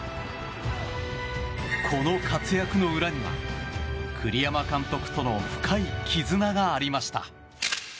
この活躍の裏には栗山英樹監督との深い絆がありました。